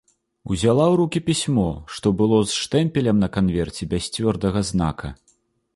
Узяла ў рукі пісьмо, што было з штэмпелем на канверце без цвёрдага знака.